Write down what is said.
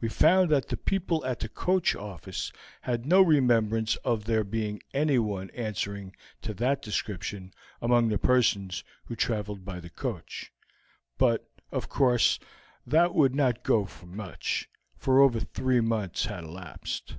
We found that the people at the coach office had no remembrance of there being anyone answering to that description among the persons who traveled by the coach, but of course that would not go for much, for over three months have elapsed.